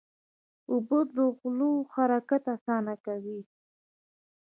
اوبه د غولو حرکت اسانه کوي.